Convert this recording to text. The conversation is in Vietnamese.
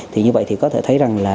thì như vậy thì có thể thấy rằng là